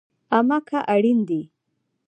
امه که اړين دي